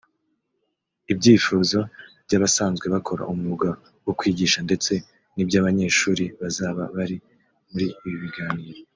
ibyifuzo by’abasanzwe bakora umwuga wo kwigisha ndetse n’iby’abanyeshuri bazaba bari muri ibi biganiro